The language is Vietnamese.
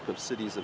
tôi tin là